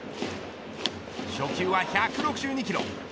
初球は１６２キロ